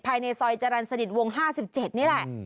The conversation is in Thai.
ภายในซอยจรรย์สนิทวง๕๗นี่แหละ